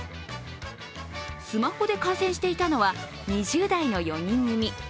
スマホで観戦していたのは２０代の４人組。